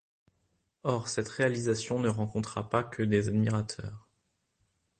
Or, cette réalisation ne rencontra pas que des admirateurs.